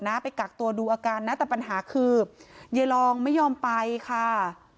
ไปกักตัวดูอาการนะแต่ปัญหาคือยายลองไม่ยอมไปค่ะ